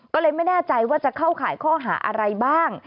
ก็เลยไม่แน่ใจว่าจะเข้าข่ายข้อหาอะไรบ้าง